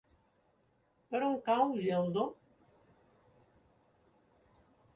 Per on cau Geldo?